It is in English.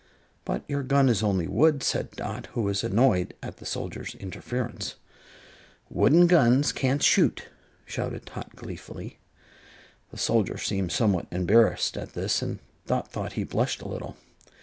"But your gun is only wood," said Dot, who was annoyed at the soldier's interference. "Wooden guns can't shoot!" shouted Tot, gleefully. The soldier seemed somewhat embarrassed at this and Dot thought he blushed a little.